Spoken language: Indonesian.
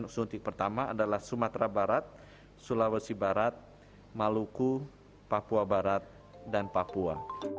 suntik pertama adalah sumatera barat sulawesi barat maluku papua barat dan papua